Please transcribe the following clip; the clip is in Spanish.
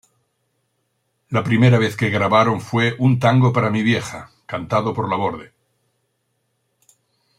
La primer pieza que grabaron fue "Un tango para mi vieja", cantado por Laborde.